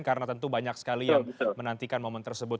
karena tentu banyak sekali yang menantikan momen tersebut